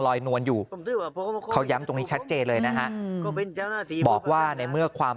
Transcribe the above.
นวลอยู่เขาย้ำตรงนี้ชัดเจนเลยนะฮะบอกว่าในเมื่อความ